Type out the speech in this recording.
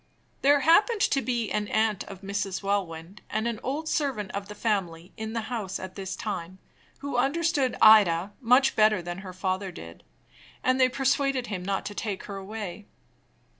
There happened to be an aunt of Mrs. Welwyn, and an old servant of the family, in the house at this time, who understood Ida much better than her father did, and they persuaded him not to take her away.